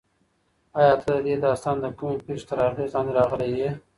ایا ته د دې داستان د کومې پېښې تر اغېز لاندې راغلی یې؟